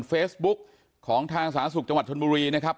เฟสบุ๊คของทางสหสุทธิ์จังหวัดชนบุรีนะครับ